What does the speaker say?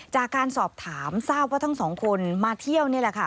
จากการสอบถามทราบว่าทั้งสองคนมาเที่ยวนี่แหละค่ะ